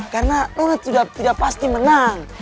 karena lona sudah tidak pasti menang